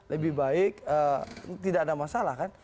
lebih baik tidak ada masalah kan